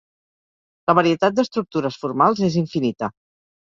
La varietat d’estructures formals és infinita.